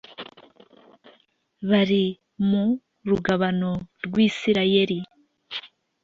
bari mu rugabano rw`isirayeli